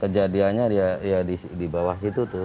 kejadiannya ya di bawah situ tuh